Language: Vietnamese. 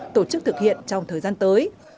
tổ chức thực hiện trong thời gian tới